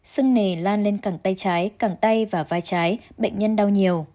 sưng nề lan lên cẳng tay trái cẳng tay và vai trái bệnh nhân đau nhiều